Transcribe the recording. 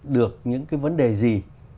được những cái vấn đề gì